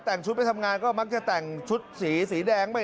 แต่งชุดไปทำงานก็มักจะแต่งชุดสีสีแดง